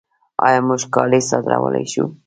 آیا موږ کالي صادرولی شو؟